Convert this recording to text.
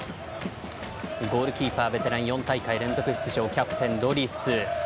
ゴールキーパーはベテラン４大会連続出場のキャプテン、ロリス。